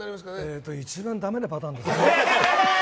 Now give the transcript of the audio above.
えーと一番だめなパターンですね。